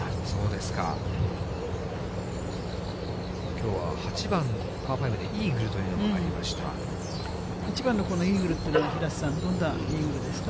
きょうは８番パー５で、イーグル８番のこのイーグルというのは、平瀬さん、どんなイーグルですか？